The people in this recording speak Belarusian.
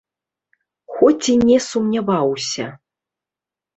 Хоць і не сумняваўся.